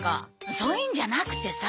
そういうんじゃなくてさ。